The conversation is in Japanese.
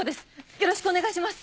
よろしくお願いします！